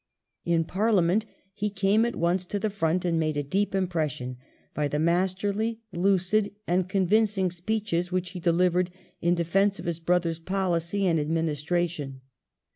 In Parliament he came at once to the front and made a deep impression by the masterly, lucid, and convincing speeches which he delivered in defence of his brother's policy and ad ministration.